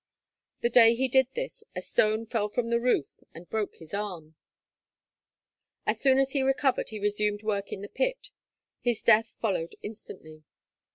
The day he did this, a stone fell from the roof and broke his arm. As soon as he recovered he resumed work in the pit; his death followed instantly.